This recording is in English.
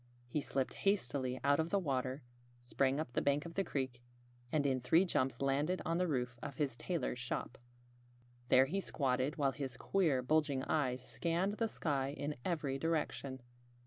He slipped hastily out of the water, sprang up the bank of the creek, and in three jumps landed on the roof of his tailor's shop. There he squatted, while his queer, bulging eyes scanned the sky in every direction.